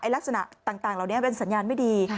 ลักษณะต่างเหล่านี้เป็นสัญญาณไม่ดี